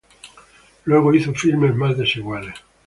Luego, hizo filmes más desiguales.